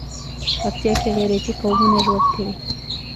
پکتيا کې غيرتي قومونه ژوند کوي.